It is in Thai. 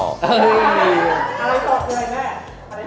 อะไรต่อคืออะไรแม่